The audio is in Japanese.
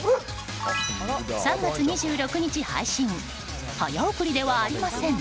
３月２６日配信早送りではありません。